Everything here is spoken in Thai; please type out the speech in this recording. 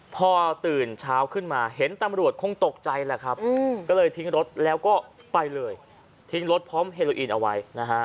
พอตื่นเช้าขึ้นมาเห็นตำรวจคงตกใจแหละครับก็เลยทิ้งรถแล้วก็ไปเลยทิ้งรถพร้อมเฮโลอีนเอาไว้นะฮะ